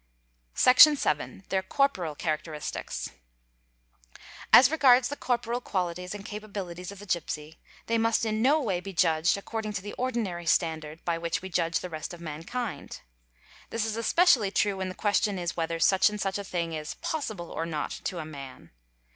i. Section vii.—Their corporal characteristics. As regards the corporal qualities and capabilities of the gipsy they must in no way be judged according to the ordinary standard by which we judge the rest of mankind. This is especially true when the question is whether such and such a thing is "possible or not" to a man.